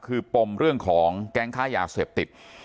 คือปมเรื่องของแก๊งค้ายาเสพติด